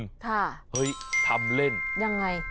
ค่ะทำเล่นยังไง